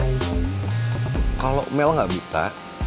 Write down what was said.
kalau mel nggak buta